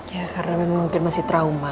ya karena memang mungkin masih trauma